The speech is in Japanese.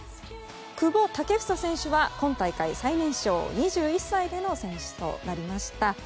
久保建英選手は今大会最年少２１歳での選出となりました。